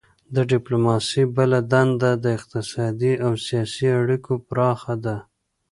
د ډیپلوماسي بله دنده د اقتصادي او سیاسي اړیکو پراختیا ده